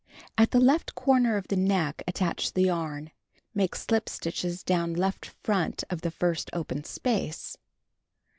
At the left corner of the neck attach the yarn. Make slip stitches down left front to the first open sjiace.